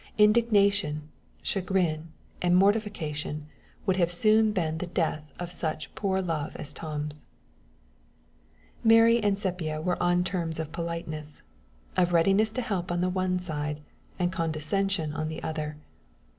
Indignation, chagrin, and mortification would have soon been the death of such poor love as Tom's. Mary and Sepia were on terms of politeness of readiness to help on the one side, and condescension upon the other.